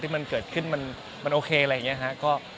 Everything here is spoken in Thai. ที่มันเกิดขึ้นมันมันก็เคมีอะไรอย่างเงี้ยครับ